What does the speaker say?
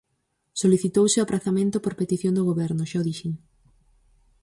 Solicitouse o aprazamento por petición do Goberno, xa o dixen.